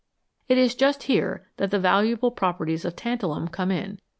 It is just here that the valuable properties of tantalum come in.